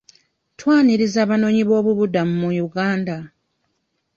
Twaniriza abanoonyi b'obubuddamu mu Uganda.